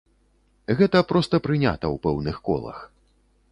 Гэта проста прынята ў пэўных колах.